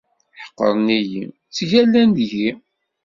Ḥeqqren-iyi, ttgallan deg-i.